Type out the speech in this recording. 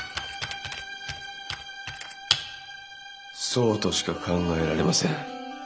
そうとしか考えられません。